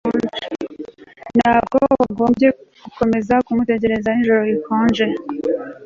Ntabwo wagombye gukomeza kumutegereza nijoro rikonje